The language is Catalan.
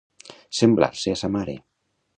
Semblar-se a sa mare.